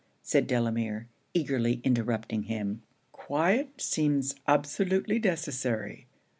said Delamere, eagerly interrupting him. 'Quiet seems absolutely necessary.